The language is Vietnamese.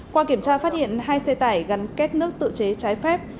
qua kiểm tra phát hiện hai xe tải gắn kết nước tự chế trái phép